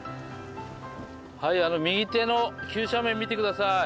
はいあの右手の急斜面見て下さい。